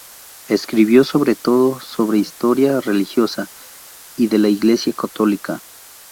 Escribió sobre todo sobre historia religiosa y de la Iglesia católica.